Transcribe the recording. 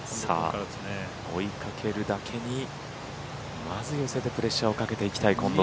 追いかけるだけにまず寄せてプレッシャーをかけていきたい近藤。